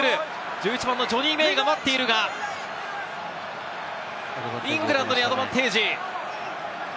１１番のジョニー・メイが待っているが、イングランドにアドバンテージ。